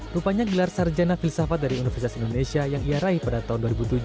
rupanya gelar sarjana filsafat dari universitas indonesia yang ia raih pada tahun dua ribu tujuh